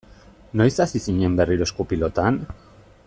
Noiz hasi zinen berriro esku-pilotan?